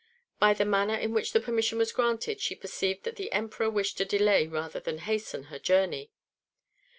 By the manner in which the permission was granted she perceived that the Emperor wished to delay rather than hasten her journey.